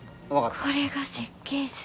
これが設計図。